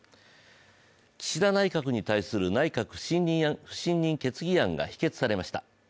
岸田内閣に対する内閣不信任決議案が否決されました。